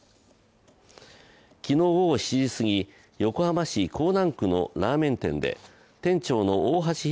昨日午後７時すぎ、横浜市港南区のラーメン店で店長の大橋弘